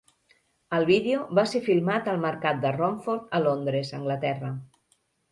El vídeo va ser filmat al mercat de Romford a Londres, Anglaterra.